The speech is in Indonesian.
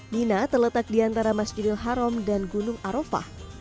mina terletak di antara masjidil haram dan gunung arofah